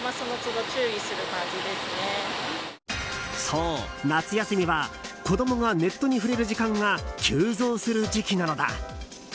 そう、夏休みは子供がネットに触れる時間が急増する時期なのだ。